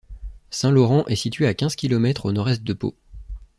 Saint-Laurent est situé à quinze kilomètres au nord-est de Pau.